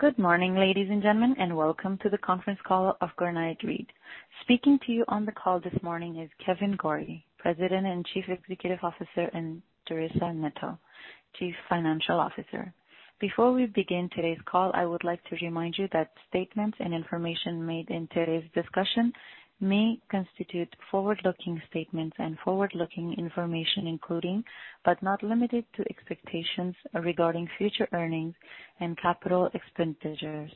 Good morning, ladies and gentlemen, and welcome to the conference call of Granite REIT. Speaking to you on the call this morning is Kevan Gorrie, President and Chief Executive Officer, and Teresa Neto, Chief Financial Officer. Before we begin today's call, I would like to remind you that statements and information made in today's discussion may constitute forward-looking statements and forward-looking information, including, but not limited to, expectations regarding future earnings and capital expenditures,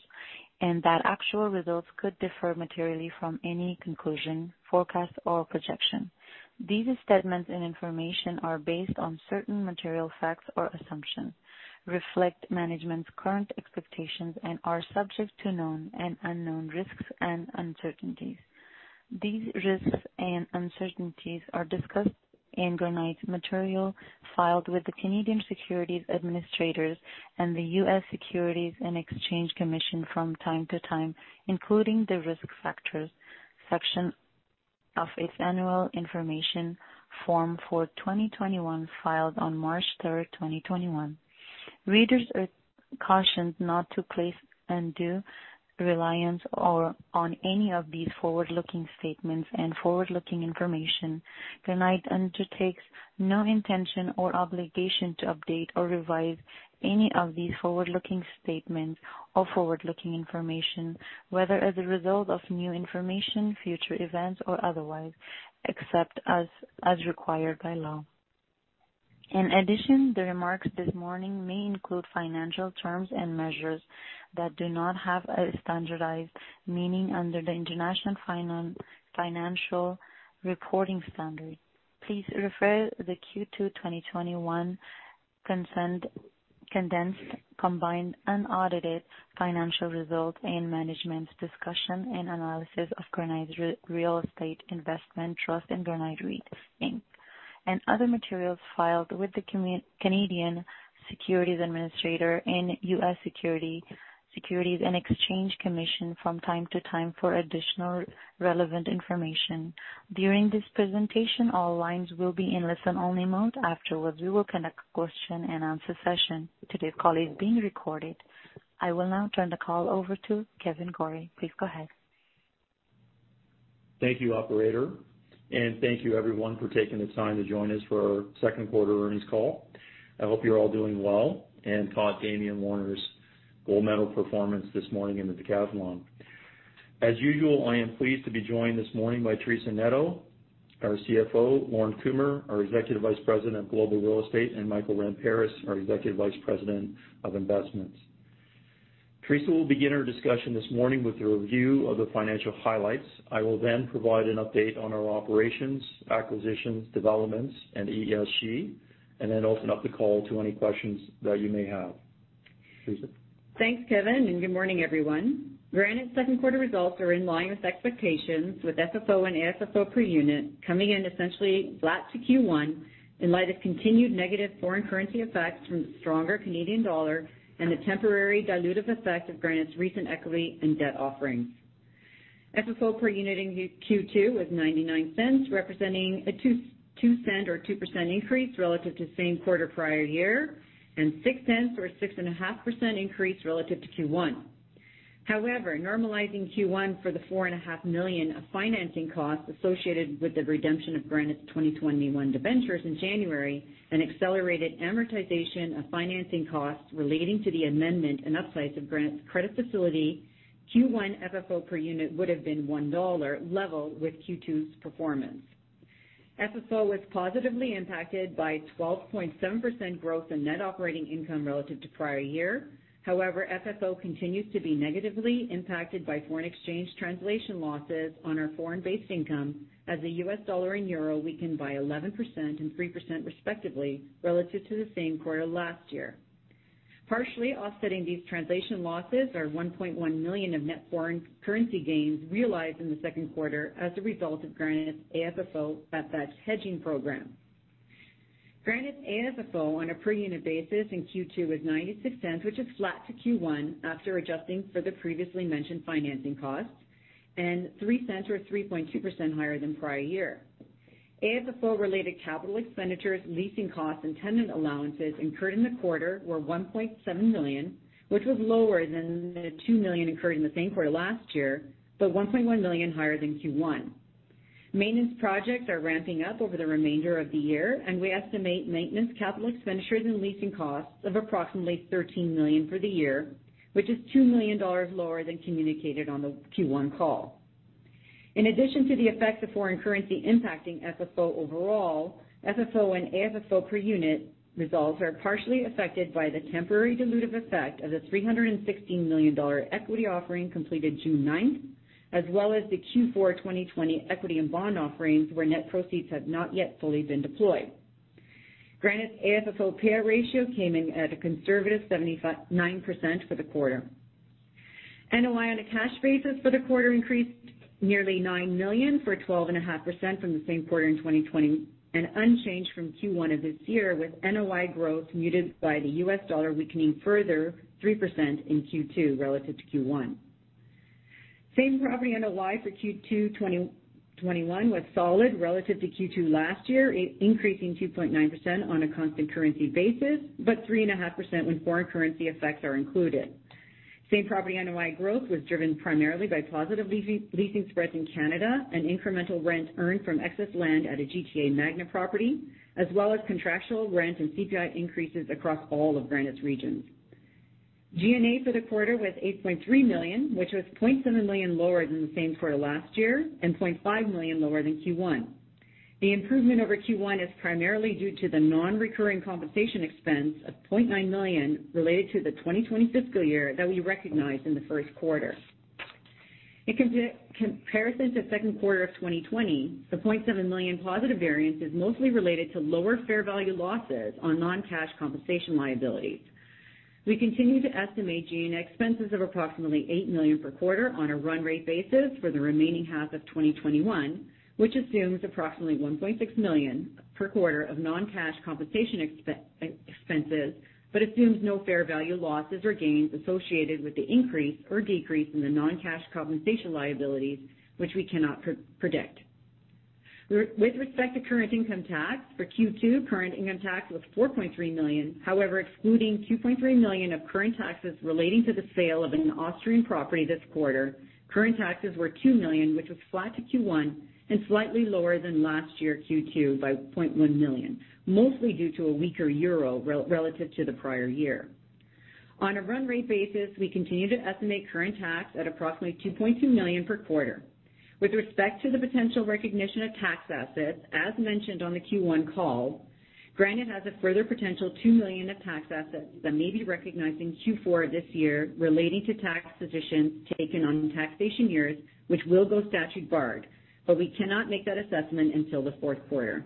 and that actual results could differ materially from any conclusion, forecast, or projection. These statements and information are based on certain material facts or assumptions, reflect management's current expectations, and are subject to known and unknown risks and uncertainties. These risks and uncertainties are discussed in Granite's material filed with the Canadian Securities Administrators and the U.S. Securities and Exchange Commission from time to time, including the Risk Factors section of its Annual Information Form for 2021, filed on March 3rd, 2021. Readers are cautioned not to place undue reliance on any of these forward-looking statements and forward-looking information. Granite undertakes no intention or obligation to update or revise any of these forward-looking statements or forward-looking information, whether as a result of new information, future events, or otherwise, except as required by law. In addition, the remarks this morning may include financial terms and measures that do not have a standardized meaning under the International Financial Reporting Standards. Please refer the Q2 2021 condensed combined unaudited financial results and management's discussion and analysis of Granite Real Estate Investment Trust and Granite REIT Inc., and other materials filed with the Canadian Securities Administrators and U.S. Securities and Exchange Commission from time to time for additional relevant information. During this presentation, all lines will be in listen only mode. Afterwards, we will conduct a question and answer session. Today's call is being recorded. I will now turn the call over to Kevan Gorrie. Please go ahead. Thank you, operator, and thank you everyone for taking the time to join us for our second quarter earnings call. I hope you're all doing well and saw Damian Warner's gold medal performance this morning in the decathlon. As usual, I am pleased to be joined this morning by Teresa Neto, our CFO, Lorne Kumer, our Executive Vice President of Global Real Estate, and Michael Markidis, our Executive Vice President of Investments. Teresa will begin our discussion this morning with a review of the financial highlights. I will then provide an update on our operations, acquisitions, developments, and ESG, and then open up the call to any questions that you may have. Teresa. Thanks, Kevan, and good morning, everyone. Granite's second quarter results are in line with expectations with FFO and AFFO per unit coming in essentially flat to Q1 in light of continued negative foreign currency effects from the stronger Canadian dollar and the temporary dilutive effect of Granite's recent equity and debt offerings. FFO per unit in Q2 was 0.99, representing a 0.02 or 2% increase relative to the same quarter prior year, and 0.06 or 6.5% increase relative to Q1. Normalizing Q1 for the 4.5 million of financing costs associated with the redemption of Granite's 2021-01 debentures in January and accelerated amortization of financing costs relating to the amendment and upsize of Granite's credit facility, Q1 FFO per unit would've been 1.00 dollar, level with Q2's performance. FFO was positively impacted by 12.7% growth in net operating income relative to prior year. FFO continues to be negatively impacted by foreign exchange translation losses on our foreign-based income as the U.S. dollar and euro weakened by 11% and 3% respectively, relative to the same quarter last year. Partially offsetting these translation losses are 1.1 million of net foreign currency gains realized in the second quarter as a result of Granite's AFFO hedging program. Granite's AFFO on a per unit basis in Q2 was 0.96, which is flat to Q1 after adjusting for the previously mentioned financing costs, and 0.03 or 3.2% higher than prior year. AFFO-related capital expenditures, leasing costs, and tenant allowances incurred in the quarter were 1.7 million, which was lower than the 2 million incurred in the same quarter last year, 1.1 million higher than Q1. Maintenance projects are ramping up over the remainder of the year. We estimate maintenance capital expenditures and leasing costs of approximately 13 million for the year, which is 2 million dollars lower than communicated on the Q1 call. In addition to the effect of foreign currency impacting FFO overall, FFO and AFFO per unit results are partially affected by the temporary dilutive effect of the 316 million dollar equity offering completed June 9th, as well as the Q4 2020 equity and bond offerings, where net proceeds have not yet fully been deployed. Granite's AFFO payout ratio came in at a conservative 79% for the quarter. NOI on a cash basis for the quarter increased nearly 9 million for 12.5% from the same quarter in 2020 and unchanged from Q1 of this year with NOI growth muted by the U.S. dollar weakening further 3% in Q2 relative to Q1. Same property NOI for Q2 2021 was solid relative to Q2 last year, increasing 2.9% on a constant currency basis, but 3.5% when foreign currency effects are included. Same property NOI growth was driven primarily by positive leasing spreads in Canada and incremental rent earned from excess land at a GTA Magna property, as well as contractual rent and CPI increases across all of Granite's regions. G&A for the quarter was 8.3 million, which was 0.7 million lower than the same quarter last year, and 0.5 million lower than Q1. The improvement over Q1 is primarily due to the non-recurring compensation expense of 0.9 million related to the 2020 fiscal year that we recognized in the first quarter. In comparison to the second quarter of 2020, the 0.7 million positive variance is mostly related to lower fair value losses on non-cash compensation liabilities. We continue to estimate G&A expenses of approximately 8 million per quarter on a run rate basis for the remaining half of 2021, which assumes approximately 1.6 million per quarter of non-cash compensation expenses, but assumes no fair value losses or gains associated with the increase or decrease in the non-cash compensation liabilities, which we cannot predict. With respect to current income tax for Q2, current income tax was 4.3 million. However, excluding 2.3 million of current taxes relating to the sale of an Austrian property this quarter, current taxes were 2 million, which was flat to Q1 and slightly lower than last year Q2 by 0.1 million, mostly due to a weaker euro relative to the prior year. On a run rate basis, we continue to estimate current tax at approximately 2.2 million per quarter. With respect to the potential recognition of tax assets, as mentioned on the Q1 call, Granite has a further potential 2 million of tax assets that may be recognized in Q4 this year relating to tax positions taken on taxation years, which will go statute barred, but we cannot make that assessment until the fourth quarter.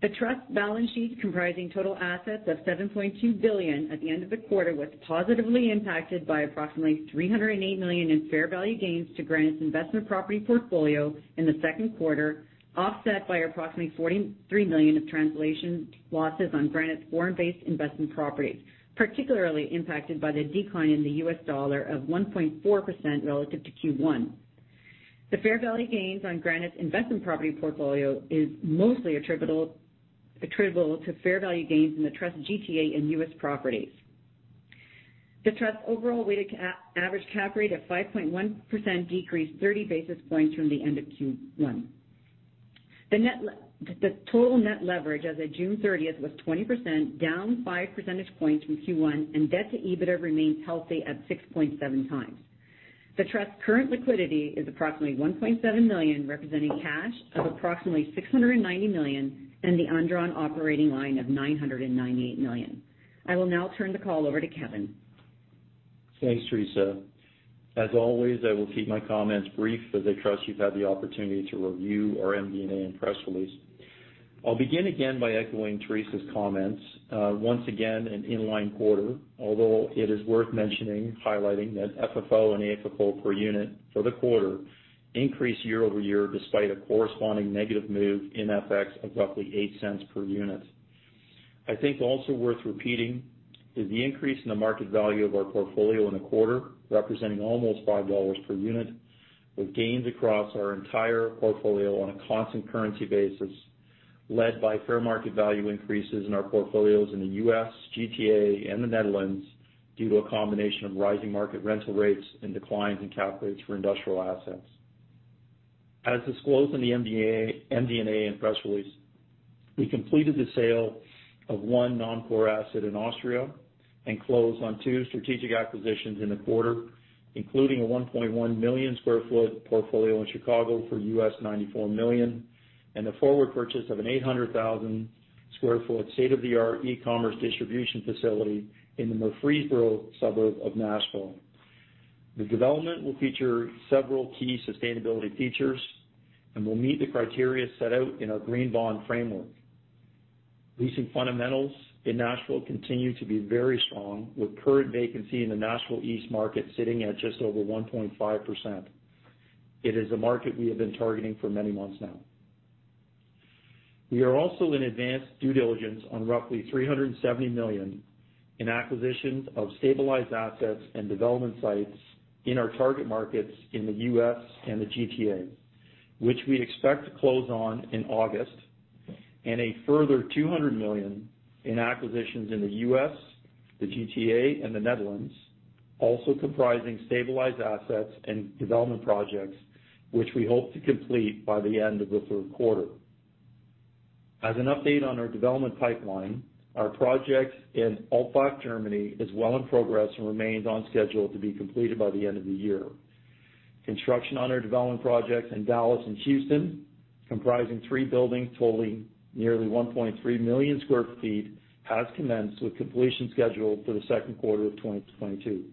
The trust balance sheet comprising total assets of CAD 7.2 billion at the end of the quarter was positively impacted by approximately CAD 308 million in fair value gains to Granite's investment property portfolio in the second quarter, offset by approximately 43 million of translation losses on Granite's foreign-based investment properties, particularly impacted by the decline in the U.S. dollar of 1.4% relative to Q1. The fair value gains on Granite's investment property portfolio is mostly attributable to fair value gains in the trust GTA and U.S. properties. The trust overall weighted average cap rate of 5.1% decreased 30 basis points from the end of Q1. The total net leverage as of June 30th was 20%, down five percentage points from Q1, and debt to EBITDA remains healthy at 6.7 times. The trust's current liquidity is approximately 1.7 million, representing cash of approximately 690 million and the undrawn operating line of 998 million. I will now turn the call over to Kevan. Thanks, Teresa. As always, I will keep my comments brief as I trust you've had the opportunity to review our MD&A and press release. I'll begin again by echoing Teresa's comments. Once again, an in-line quarter, although it is worth mentioning, highlighting that FFO and AFFO per unit for the quarter increased year-over-year despite a corresponding negative move in FX of roughly 0.8 per unit. I think also worth repeating is the increase in the market value of our portfolio in the quarter, representing almost 5 dollars per unit, with gains across our entire portfolio on a constant currency basis, led by fair market value increases in our portfolios in the U.S., GTA, and the Netherlands due to a combination of rising market rental rates and declines in cap rates for industrial assets. As disclosed in the MD&A and press release, we completed the sale of one non-core asset in Austria and closed on two strategic acquisitions in the quarter, including a 1.1-million-sq ft portfolio in Chicago for $94 million and the forward purchase of an 800,000-sq ft state-of-the-art e-commerce distribution facility in the Murfreesboro suburb of Nashville. The development will feature several key sustainability features and will meet the criteria set out in our Green Bond Framework. Leasing fundamentals in Nashville continue to be very strong, with current vacancy in the Nashville East market sitting at just over 1.5%. It is a market we have been targeting for many months now. We are also in advanced due diligence on roughly 370 million in acquisitions of stabilized assets and development sites in our target markets in the U.S. and the GTA, which we expect to close on in August, and a further 200 million in acquisitions in the U.S., the GTA, and the Netherlands, also comprising stabilized assets and development projects, which we hope to complete by the end of the third quarter. As an update on our development pipeline, our project in Faulbach, Germany, is well in progress and remains on schedule to be completed by the end of the year. Construction on our development projects in Dallas and Houston, comprising three buildings totaling nearly 1.3 million sq ft, has commenced with completion scheduled for the second quarter of 2022.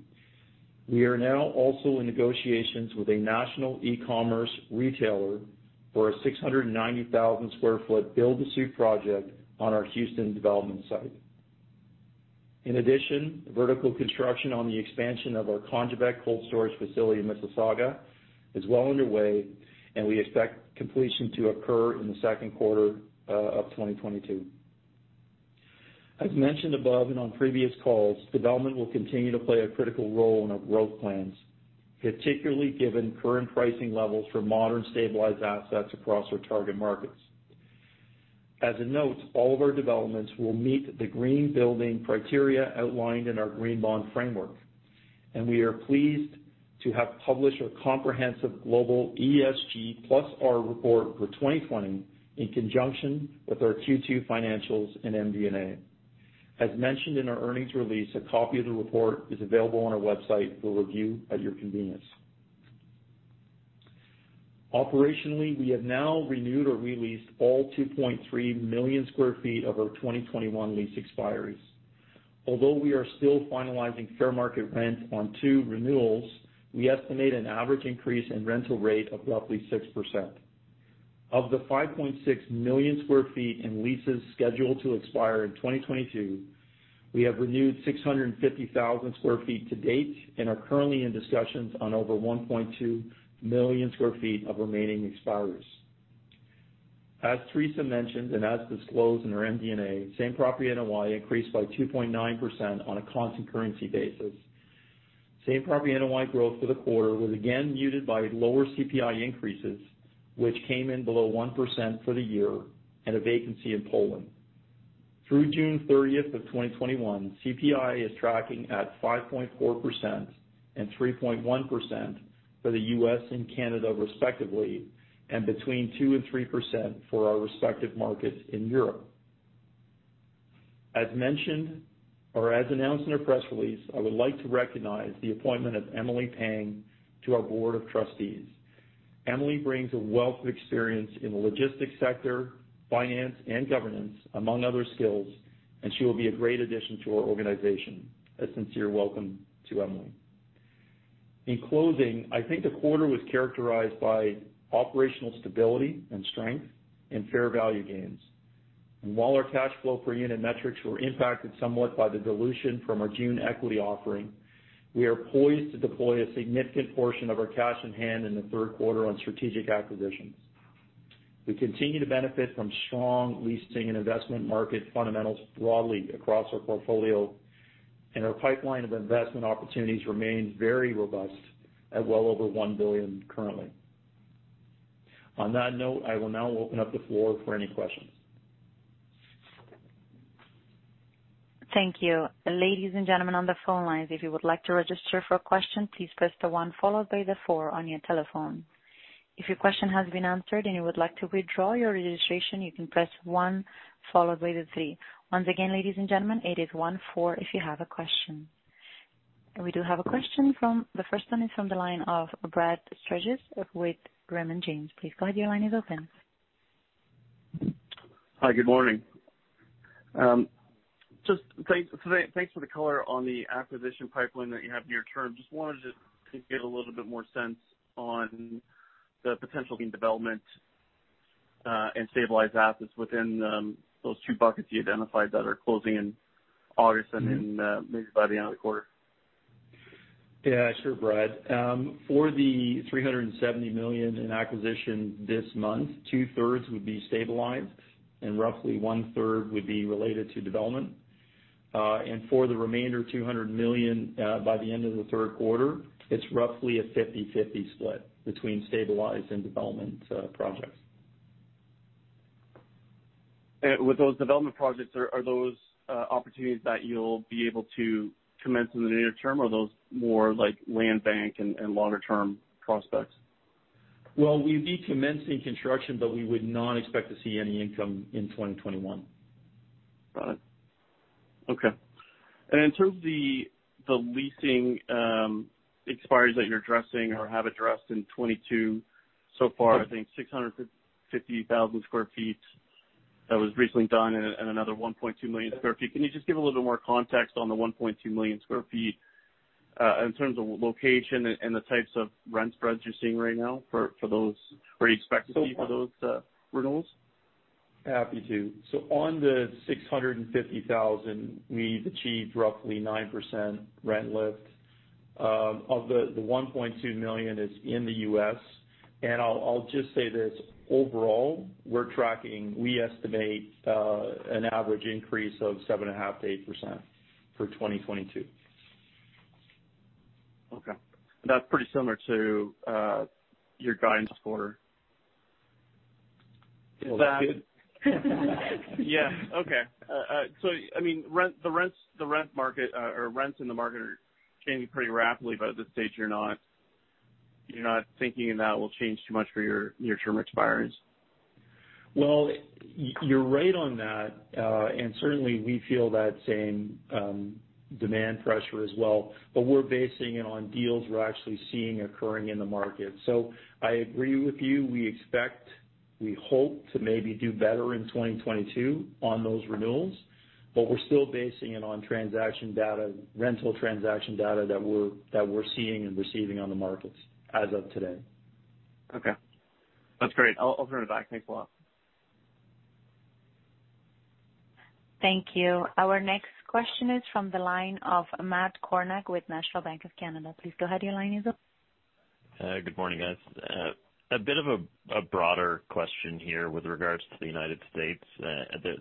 We are now also in negotiations with a national e-commerce retailer for a 690,000-sq ft build-to-suit project on our Houston development site. In addition, vertical construction on the expansion of our Congebec cold storage facility in Mississauga is well underway, and we expect completion to occur in the second quarter of 2022. As mentioned above and on previous calls, development will continue to play a critical role in our growth plans, particularly given current pricing levels for modern stabilized assets across our target markets. As a note, all of our developments will meet the green building criteria outlined in our Green Bond Framework, and we are pleased to have published our comprehensive global ESG+R report for 2020 in conjunction with our Q2 financials and MD&A. As mentioned in our earnings release, a copy of the report is available on our website for review at your convenience. Operationally, we have now renewed or re-leased all 2.3 million sq ft of our 2021 lease expiries. Although we are still finalizing fair market rent on two renewals, we estimate an average increase in rental rate of roughly 6%. Of the 5.6 million sq ft in leases scheduled to expire in 2022, we have renewed 650,000 sq ft to date and are currently in discussions on over 1.2 million sq ft of remaining expiries. As Teresa mentioned, and as disclosed in our MD&A, same property NOI increased by 2.9% on a constant currency basis. Same property NOI growth for the quarter was again muted by lower CPI increases, which came in below 1% for the year, and a vacancy in Poland. Through June 30th of 2021, CPI is tracking at 5.4% and 3.1% for the U.S. and Canada respectively, and between 2% and 3% for our respective markets in Europe. As mentioned or as announced in our press release, I would like to recognize the appointment of Emily Pang to our board of trustees. Emily brings a wealth of experience in the logistics sector, finance, and governance, among other skills, and she will be a great addition to our organization. A sincere welcome to Emily. In closing, I think the quarter was characterized by operational stability and strength and fair value gains. While our cash flow per unit metrics were impacted somewhat by the dilution from our June equity offering, we are poised to deploy a significant portion of our cash on hand in the third quarter on strategic acquisitions. We continue to benefit from strong leasing and investment market fundamentals broadly across our portfolio, and our pipeline of investment opportunities remains very robust at well over 1 billion currently. On that note, I will now open up the floor for any questions. Thank you. Ladies and gentlemen on the phone lines, if you would like to register for a question, please press the one followed by the four on your telephone. If your question has been answered and you would like to withdraw your registration, you can press one followed by the three. Once again, ladies and gentlemen, it is one, four if you have a question. We do have a question. The first one is from the line of Brad Sturges with Raymond James. Please go ahead, your line is open. Hi, good morning. Just thanks for the color on the acquisition pipeline that you have near term. Just wanted to get a little bit more sense on the potential in development and stabilized assets within those two buckets you identified that are closing in August and then maybe by the end of the quarter. Yeah, sure, Brad. For the 370 million in acquisition this month, two-thirds would be stabilized and roughly one-third would be related to development. For the remainder 200 million, by the end of the third quarter, it is roughly a 50/50 split between stabilized and development projects. With those development projects, are those opportunities that you'll be able to commence in the near term, or are those more land bank and longer-term prospects? We'd be commencing construction, but we would not expect to see any income in 2021. Got it. Okay. In terms of the leasing expiries that you're addressing or have addressed in 2022 so far, I think 650,000 sq ft that was recently done and another 1.2 million sq ft. Can you just give a little bit more context on the 1.2 million sq ft in terms of location and the types of rent spreads you're seeing right now for those, or you expect to see for those renewals? Happy to. On the 650,000, we've achieved roughly 9% rent lift. Of the 1.2 million is in the U.S., I'll just say this, overall, we estimate an average increase of 7.5%-8% for 2022. Okay. That's pretty similar to your guidance for. Is that good? Yeah. Okay. I mean, the rents in the market are changing pretty rapidly, but at this stage you're not thinking that will change too much for your near-term expiries. Well, you're right on that. Certainly, we feel that same demand pressure as well, but we're basing it on deals we're actually seeing occurring in the market. I agree with you. We expect, we hope to maybe do better in 2022 on those renewals, but we're still basing it on rental transaction data that we're seeing and receiving on the markets as of today. Okay. That's great. I'll turn it back. Thanks a lot. Thank you. Our next question is from the line of Matt Kornack with National Bank of Canada. Please go ahead, your line is open. Good morning, guys. A bit of a broader question here with regards to the United States.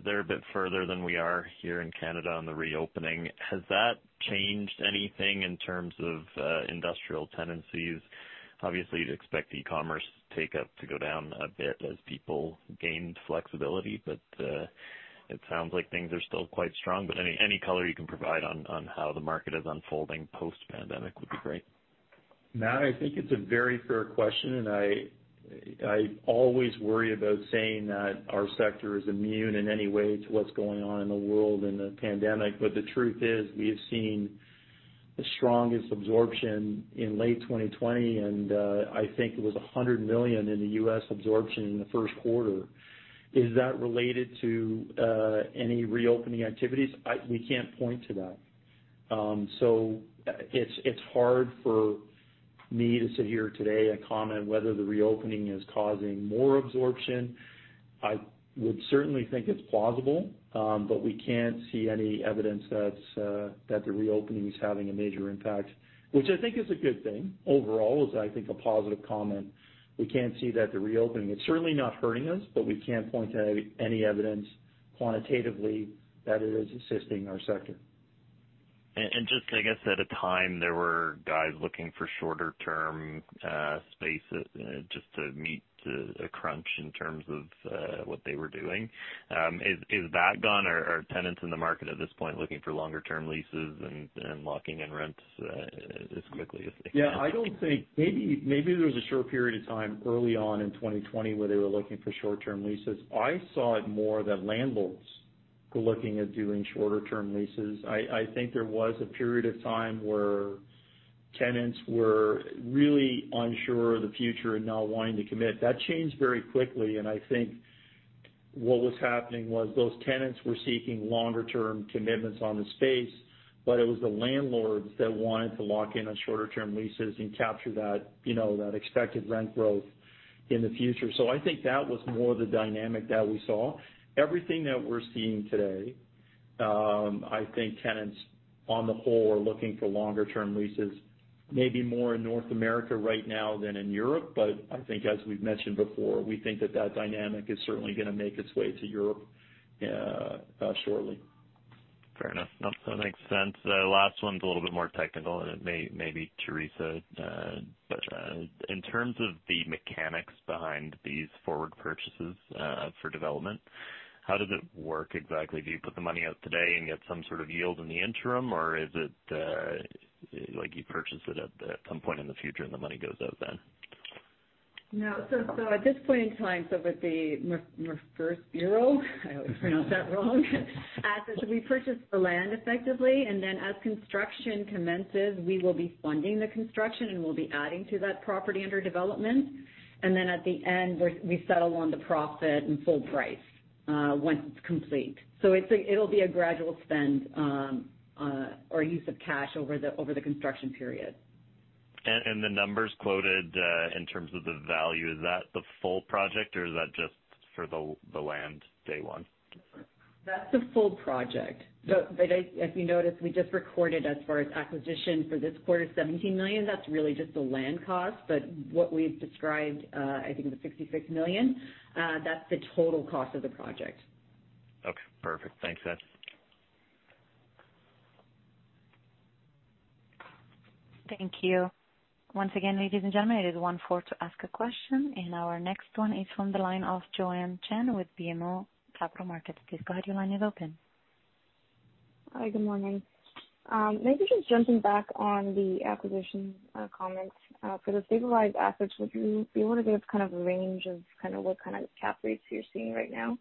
They're a bit further than we are here in Canada on the reopening. Has that changed anything in terms of industrial tendencies? Obviously, you'd expect e-commerce take up to go down a bit as people gained flexibility. It sounds like things are still quite strong. Any color you can provide on how the market is unfolding post-pandemic would be great. Matt, I think it's a very fair question. I always worry about saying that our sector is immune in any way to what's going on in the world and the pandemic. The truth is, we have seen the strongest absorption in late 2020. I think it was $100 million in U.S. absorption in the first quarter. Is that related to any reopening activities? We can't point to that. It's hard for me to sit here today and comment whether the reopening is causing more absorption. I would certainly think it's plausible. We can't see any evidence that the reopening is having a major impact. Which I think is a good thing overall, is, I think, a positive comment. We can't see that the reopening. It's certainly not hurting us. We can't point to any evidence quantitatively that it is assisting our sector. Just, I guess at a time, there were guys looking for shorter term space just to meet a crunch in terms of what they were doing. Is that gone? Are tenants in the market at this point looking for longer term leases and locking in rents as quickly as they can? Yeah, I don't think Maybe there was a short period of time early on in 2020 where they were looking for short-term leases. I saw it more that landlords were looking at doing shorter term leases. I think there was a period of time where tenants were really unsure of the future and not wanting to commit. That changed very quickly, and I think what was happening was those tenants were seeking longer term commitments on the space, but it was the landlords that wanted to lock in on shorter term leases and capture that expected rent growth in the future. I think that was more the dynamic that we saw. Everything that we're seeing today, I think tenants on the whole are looking for longer term leases, maybe more in North America right now than in Europe. I think as we've mentioned before, we think that dynamic is certainly going to make its way to Europe shortly. Fair enough. That makes sense. The last one's a little bit more technical, and it may be Teresa. In terms of the mechanics behind these forward purchases for development, how does it work exactly? Do you put the money out today and get some sort of yield in the interim, or is it like you purchase it at some point in the future and the money goes out then? No. At this point in time, with the Murfreesboro, I always pronounce that wrong, we purchased the land effectively. As construction commences, we will be funding the construction, and we'll be adding to that property under development. At the end, we settle on the profit and full price once it's complete. It'll be a gradual spend or use of cash over the construction period. The numbers quoted in terms of the value, is that the full project or is that just for the land day one? That's the full project. If you notice, we just recorded as far as acquisition for this quarter, 17 million. That's really just the land cost. What we've described, I think the 66 million, that's the total cost of the project. Okay, perfect. Thanks. Thank you. Once again, ladies and gentlemen, our next one is from the line of Joanne Chen with BMO Capital Markets. Please go ahead, your line is open. Hi, good morning. Maybe just jumping back on the acquisition comments. For the stabilized assets, would you be able to give kind of a range of what kind of cap rates you're seeing right now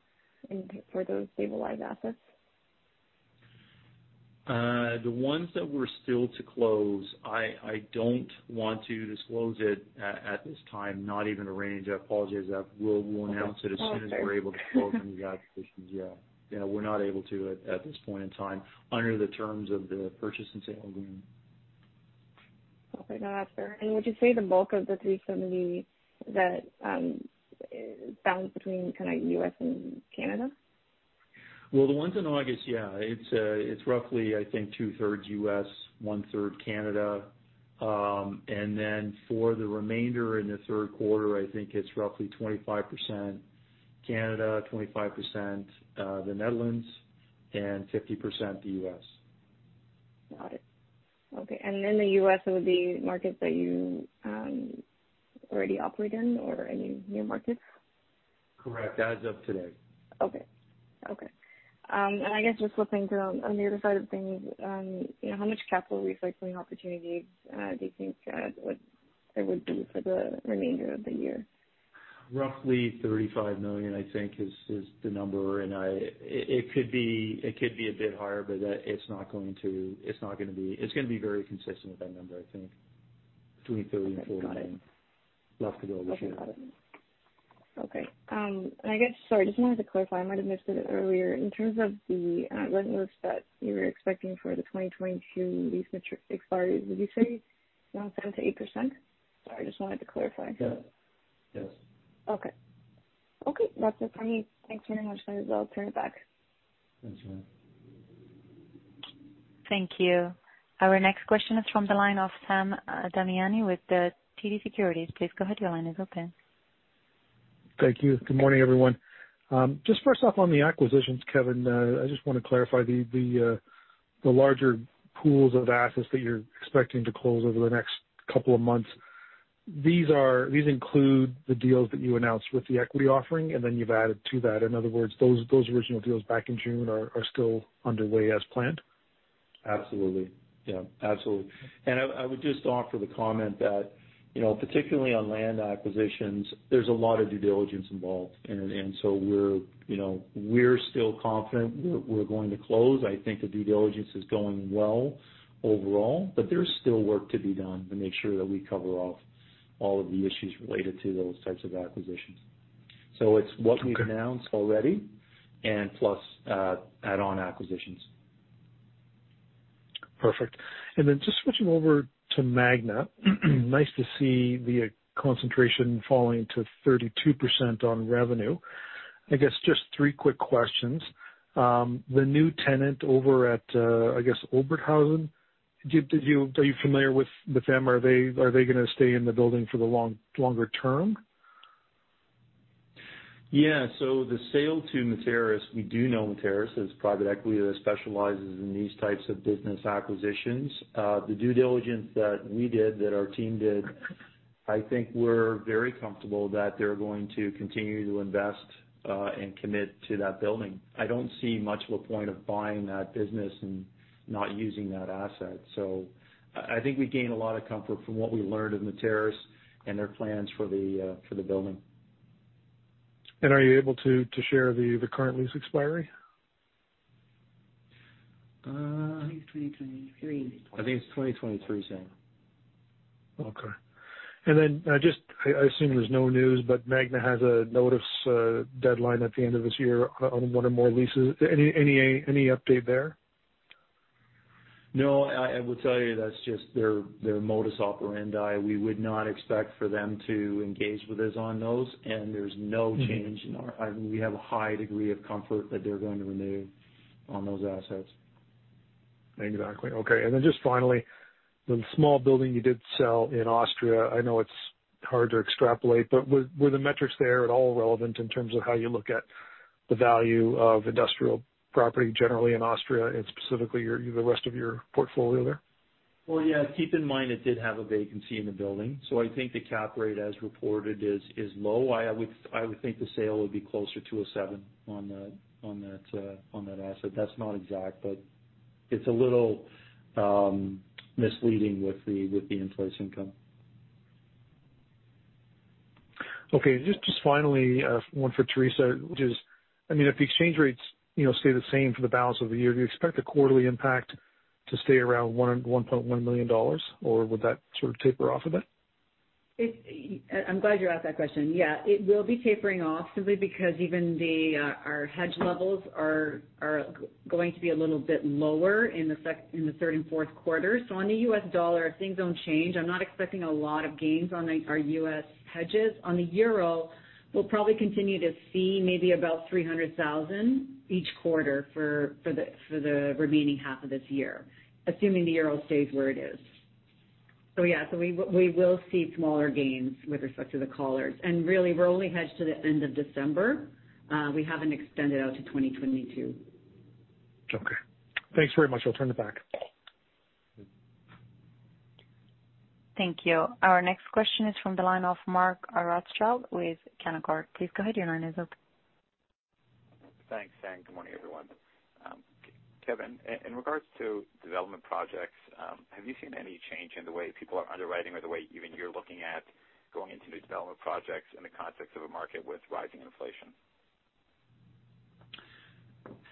for those stabilized assets? The ones that we're still to close, I don't want to disclose it at this time, not even a range. I apologize. We'll announce it as soon as we're able to close on these acquisitions, yeah. We're not able to at this point in time under the terms of the purchase and sale agreement. Okay, no, that's fair. Would you say the bulk of the 370 that balance between kind of U.S. and Canada? Well, the ones in August, yeah. It's roughly, I think, two-thirds U.S., one-third Canada. For the remainder in the third quarter, I think it's roughly 25% Canada, 25% The Netherlands, and 50% the U.S. Got it. Okay. In the U.S., it would be markets that you already operate in or any new markets? Correct, as of today. Okay. I guess just flipping to on the other side of things, how much capital recycling opportunities do you think there would be for the remainder of the year? Roughly 35 million, I think, is the number. It could be a bit higher, but it's going to be very consistent with that number, I think, between 30 million and 40 million left to go this year. Okay, got it. Okay. I guess, sorry, just wanted to clarify, I might have missed it earlier. In terms of the rent lifts that you were expecting for the 2022 lease maturity expiry, would you say around 7%-8%? Sorry, I just wanted to clarify. Yeah. Yes. Okay. That's it from me. Thanks very much, guys. I'll turn it back. Thanks, Joanne. Thank you. Our next question is from the line of Sam Damiani with TD Securities. Please go ahead, your line is open. Thank you. Good morning, everyone. First off on the acquisitions, Kevan, I just want to clarify the larger pools of assets that you're expecting to close over the next couple of months. These include the deals that you announced with the equity offering, then you've added to that. In other words, those original deals back in June are still underway as planned? Absolutely. Yeah. Absolutely. I would just offer the comment that, particularly on land acquisitions, there's a lot of due diligence involved. We're still confident we're going to close. I think the due diligence is going well overall, but there's still work to be done to make sure that we cover off all of the issues related to those types of acquisitions. It's what we've announced already and plus add-on acquisitions. Perfect. Just switching over to Magna. Nice to see the concentration falling to 32% on revenue. I guess just three quick questions. The new tenant over at, I guess, Oberhausen, are you familiar with them? Are they going to stay in the building for the longer term? The sale to Matter Real Estate, we do know Matter Real Estate is private equity that specializes in these types of business acquisitions. The due diligence that we did, that our team did, I think we're very comfortable that they're going to continue to invest, and commit to that building. I don't see much of a point of buying that business and not using that asset. I think we gain a lot of comfort from what we learned in Matter Real Estate and their plans for the building. Are you able to share the current lease expiry? I think it's 2023. I think it's 2023, Sam. Okay. I assume there's no news, but Magna has a notice deadline at the end of this year on one or more leases. Any update there? No. I will tell you that's just their modus operandi. We would not expect for them to engage with us on those, and there's no change in our high degree of comfort that they're going to renew on those assets. Exactly. Okay. Then just finally, the small building you did sell in Austria, I know it is hard to extrapolate, but were the metrics there at all relevant in terms of how you look at the value of industrial property generally in Austria and specifically the rest of your portfolio there? Well, yeah. Keep in mind it did have a vacancy in the building. I think the cap rate as reported is low. I would think the sale would be closer to a seven on that asset. That's not exact, but it's a little misleading with the in-place income. Okay. Just finally, one for Teresa, which is if the exchange rates stay the same for the balance of the year, do you expect the quarterly impact to stay around 1.1 million dollars, or would that sort of taper off a bit? I'm glad you asked that question. It will be tapering off simply because even our hedge levels are going to be a little bit lower in the third and fourth quarter. On the U.S. dollar, if things don't change, I'm not expecting a lot of gains on our U.S. hedges. On the euro, we'll probably continue to see maybe about 300,000 each quarter for the remaining half of this year, assuming the euro stays where it is. We will see smaller gains with respect to the collars. Really, we're only hedged to the end of December. We haven't extended out to 2022. Okay. Thanks very much. I'll turn it back. Thank you. Our next question is from the line of Mark Rothschild with Canaccord. Please go ahead, your line is open. Thanks. Good morning, everyone. Kevan, in regards to development projects, have you seen any change in the way people are underwriting or the way even you're looking at going into new development projects in the context of a market with rising inflation?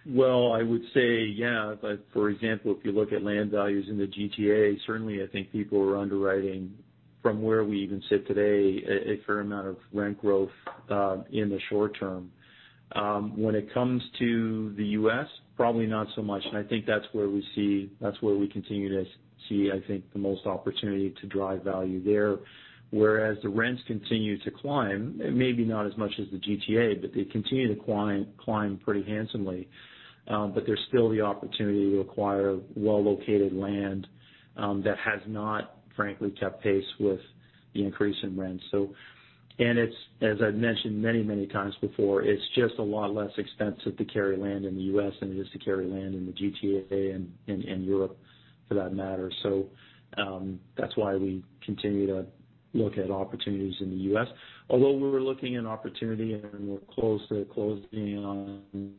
Well, I would say yeah, but for example, if you look at land values in the GTA, certainly I think people are underwriting from where we even sit today, a fair amount of rent growth, in the short term. When it comes to the U.S., probably not so much. I think that's where we continue to see, I think the most opportunity to drive value there. The rents continue to climb, maybe not as much as the GTA. They continue to climb pretty handsomely. There's still the opportunity to acquire well-located land that has not frankly kept pace with the increase in rents. As I've mentioned many times before, it's just a lot less expensive to carry land in the U.S. than it is to carry land in the GTA and Europe for that matter. That's why we continue to look at opportunities in the U.S., although we're looking at opportunity and we're close to closing on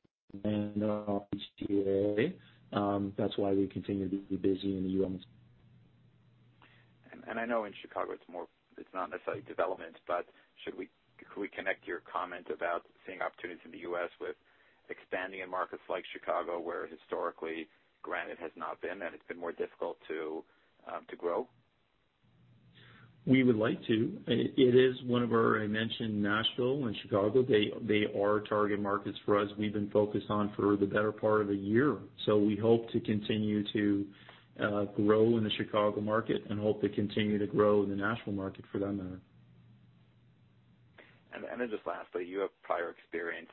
GTA. That's why we continue to be busy in the U.S. I know in Chicago it is not necessarily development, but could we connect your comment about seeing opportunities in the U.S. with expanding in markets like Chicago where historically Granite has not been, and it has been more difficult to grow? We would like to. I mentioned Nashville and Chicago. They are target markets for us. We've been focused on for the better part of a year. We hope to continue to grow in the Chicago market and hope to continue to grow in the Nashville market for that matter. Just lastly, you have prior experience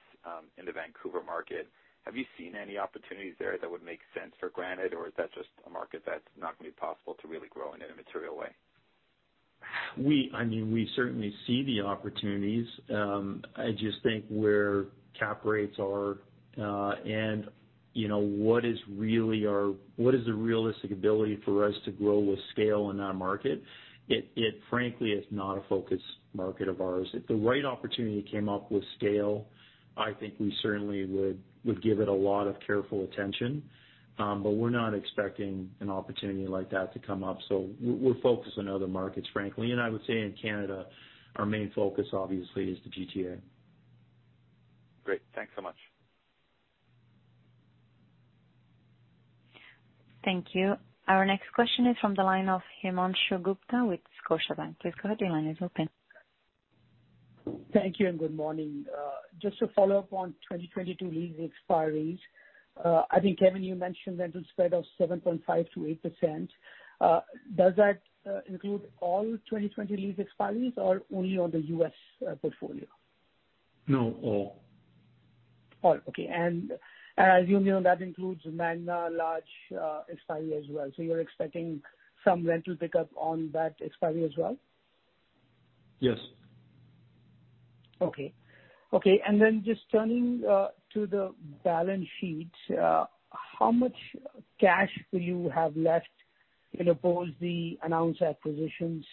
in the Vancouver market. Have you seen any opportunities there that would make sense for Granite, or is that just a market that's not going to be possible to really grow in a material way? We certainly see the opportunities. I just think where cap rates are and what is the realistic ability for us to grow with scale in that market. It frankly is not a focus market of ours. If the right opportunity came up with scale, I think we certainly would give it a lot of careful attention. We're not expecting an opportunity like that to come up. We're focused on other markets, frankly. I would say in Canada, our main focus obviously is the GTA. Great. Thanks so much. Thank you. Our next question is from the line of Himanshu Gupta with Scotiabank. Please go ahead. Your line is open. Thank you and good morning. Just to follow up on 2022 lease expiries. I think, Kevan, you mentioned rental spread of 7.5%-8%. Does that include all 2020 lease expiries or only on the U.S. portfolio? No, all. All. Okay. As you know, that includes Magna large expiry as well. You're expecting some rental pickup on that expiry as well? Yes. Okay. Then just turning to the balance sheet. How much cash will you have left post the announced acquisitions?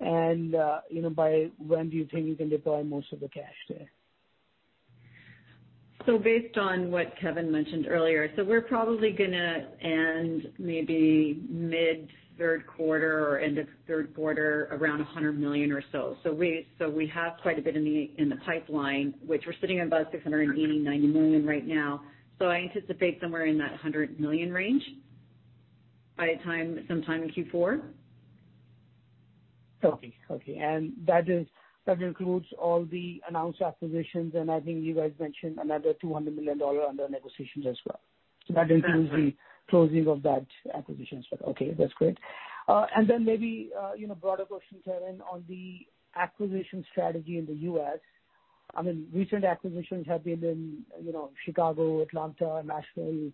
By when do you think you can deploy most of the cash there? Based on what Kevan mentioned earlier, we're probably going to end maybe mid third quarter or end of third quarter, around 100 million or so. We have quite a bit in the pipeline, which we're sitting at about 680 million-690 million right now. I anticipate somewhere in that 100 million range by sometime in Q4. Okay. That includes all the announced acquisitions, and I think you guys mentioned another 200 million dollar under negotiations as well. That includes the closing of that acquisition. Okay, that's great. Maybe a broader question, Kevan, on the acquisition strategy in the U.S. Recent acquisitions have been in Chicago, Atlanta, Nashville,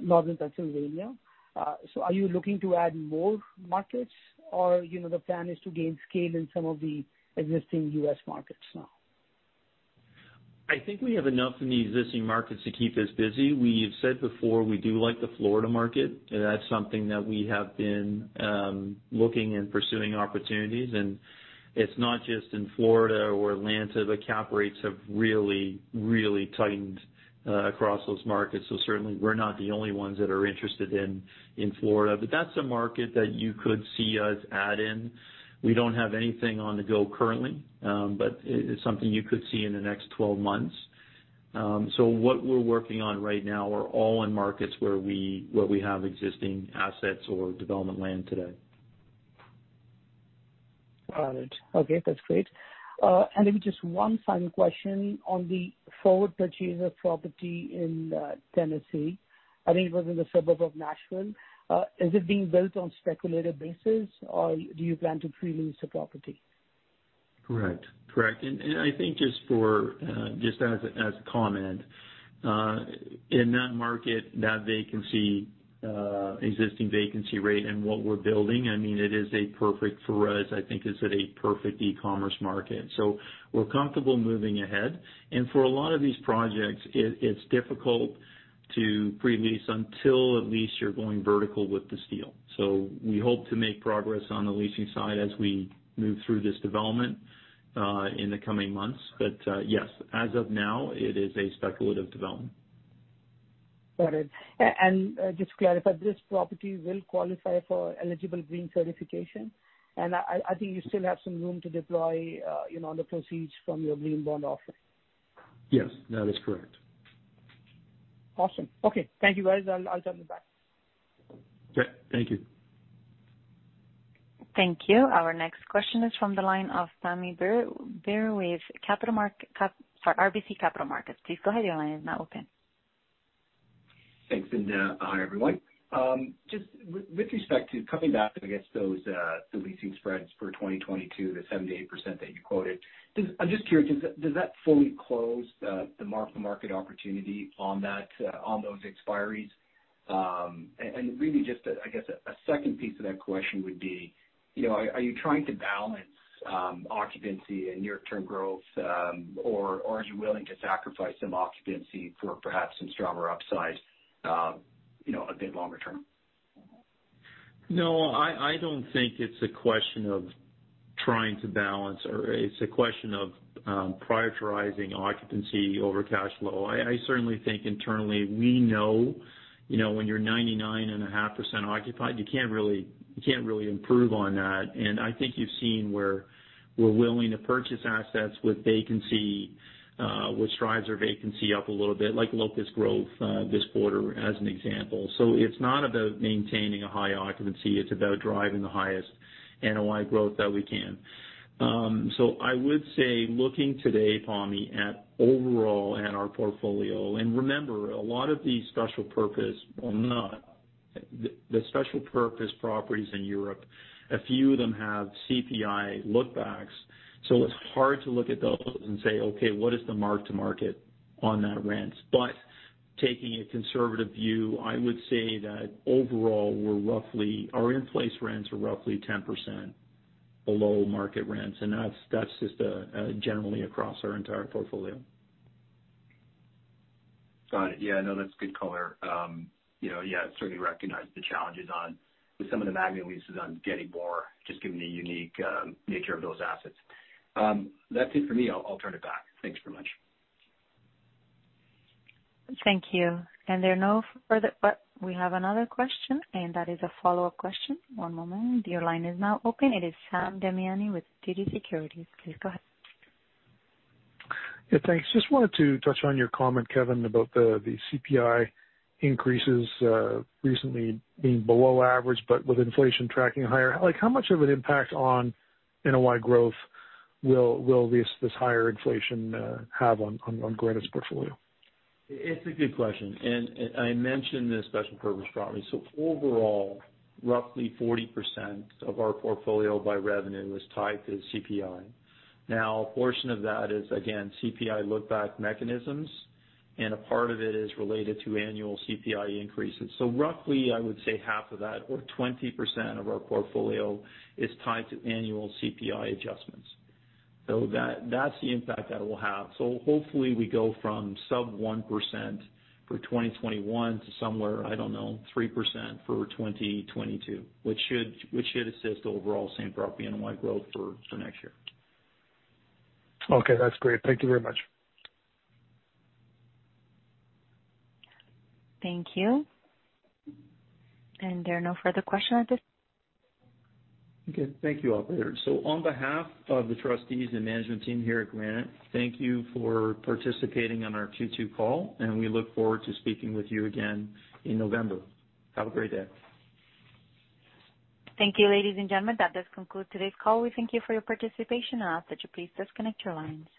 Northern Pennsylvania. Are you looking to add more markets or the plan is to gain scale in some of the existing U.S. markets now? I think we have enough in the existing markets to keep us busy. We've said before, we do like the Florida market. That's something that we have been looking and pursuing opportunities. It's not just in Florida or Atlanta, the cap rates have really, really tightened across those markets. Certainly we're not the only ones that are interested in Florida, but that's a market that you could see us add in. We don't have anything on the go currently, but it's something you could see in the next 12 months. What we're working on right now are all in markets where we have existing assets or development land today. Got it. Okay, that's great. Maybe just one final question on the forward purchase of property in Tennessee. I think it was in the suburb of Nashville. Is it being built on speculative basis or do you plan to pre-lease the property? Correct. I think just as a comment, in that market, that existing vacancy rate and what we're building, it is a perfect for us. I think it's at a perfect e-commerce market. We're comfortable moving ahead. For a lot of these projects, it's difficult to pre-lease until at least you're going vertical with the steel. We hope to make progress on the leasing side as we move through this development, in the coming months. Yes, as of now, it is a speculative development. Got it. Just to clarify, this property will qualify for eligible green certification? I think you still have some room to deploy the proceeds from your green bond offering. Yes, that is correct. Awesome. Okay. Thank you, guys. I'll jump you back. Okay. Thank you. Thank you. Our next question is from the line of Pammi Bir, RBC Capital Markets. Please go ahead. Thanks, hi, everyone. Just with respect to coming back, I guess, those leasing spreads for 2022, the 7%-8% that you quoted. I'm just curious, does that fully close the mark-to-market opportunity on those expiries? Really just, I guess, a second piece of that question would be, are you trying to balance occupancy and near-term growth? Or are you willing to sacrifice some occupancy for perhaps some stronger upside a bit longer-term? No, I don't think it's a question of trying to balance or it's a question of prioritizing occupancy over cash flow. I certainly think internally we know when you're 99.5% occupied, you can't really improve on that. I think you've seen where we're willing to purchase assets which drives our vacancy up a little bit, like Locust Grove this quarter as an example. It's not about maintaining a high occupancy, it's about driving the highest NOI growth that we can. I would say looking today, Pammi, at overall at our portfolio, and remember, a lot of these special purpose or not the special purpose properties in Europe, a few of them have CPI lookbacks. It's hard to look at those and say, "Okay, what is the mark-to-market on that rent?" Taking a conservative view, I would say that overall, our in-place rents are roughly 10% below market rents, and that's just generally across our entire portfolio. Got it. Yeah, no, that's good color. Yeah, certainly recognize the challenges on some of the Magna leases on getting more, just given the unique nature of those assets. That's it for me. I'll turn it back. Thanks very much. Thank you. We have another question, and that is a follow-up question. One moment. Your line is now open. It is Sam Damiani with TD Securities. Please go ahead. Yeah, thanks. Just wanted to touch on your comment, Kevan, about the CPI increases recently being below average, but with inflation tracking higher. How much of an impact on NOI growth will this higher inflation have on Granite's portfolio? It's a good question. I mentioned the special purpose property. Overall, roughly 40% of our portfolio by revenue is tied to CPI. Now, a portion of that is, again, CPI look-back mechanisms, and a part of it is related to annual CPI increases. Roughly, I would say half of that or 20% of our portfolio is tied to annual CPI adjustments. That's the impact that it will have. Hopefully we go from sub 1% for 2021 to somewhere, I don't know, 3% for 2022, which should assist overall same property NOI growth for next year. Okay, that's great. Thank you very much. Thank you. There are no further questions at this. Okay, thank you, operator. On behalf of the trustees and management team here at Granite, thank you for participating in our Q2 call, and we look forward to speaking with you again in November. Have a great day. Thank you, ladies and gentlemen. That does conclude today's call. We thank you for your participation and ask that you please disconnect your lines.